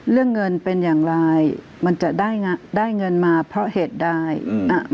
เรื่องเงินเป็นอย่างไรมันจะได้ได้เงินมาเพราะเหตุใดอืมอ่า